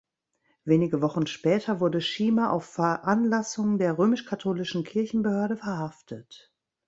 Wenige Wochen später wurde Schiemer auf Veranlassung der römisch-katholischen Kirchenbehörde verhaftet.